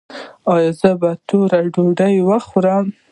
ایا زه باید توره ډوډۍ وخورم؟